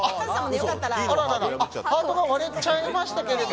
ハートが割れちゃいましたけど。